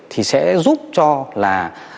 thì sẽ giúp cho là